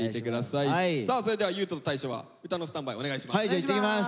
さあそれでは優斗と大昇は歌のスタンバイお願いします。